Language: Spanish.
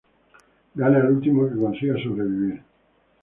Gana el último que consiga sobrevivir.